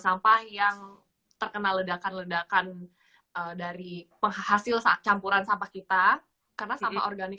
sampah yang terkena ledakan ledakan dari penghasil saat campuran sampah kita karena sampah organik